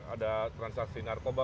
ada transaksi narkoba